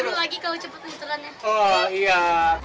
seru lagi kalau cepet menitulannya